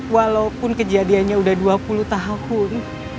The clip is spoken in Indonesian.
walaupun kejadiannya udah dua puluh tahun